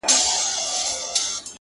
تورلباس واغوندهیاره باک یې نسته,